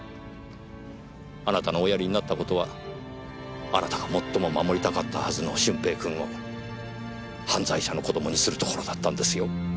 あなたのおやりになった事はあなたが最も守りたかったはずの駿平君を犯罪者の子供にするところだったんですよ。